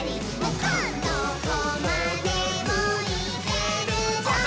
「どこまでもいけるぞ！」